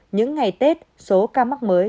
những ngày tết số ca mắc mới